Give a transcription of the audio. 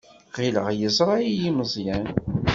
Ɣileɣ yeẓra-iyi Meẓyan.